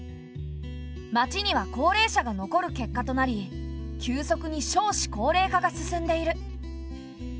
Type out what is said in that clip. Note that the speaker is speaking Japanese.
町には高齢者が残る結果となり急速に少子高齢化が進んでいる。